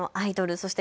そして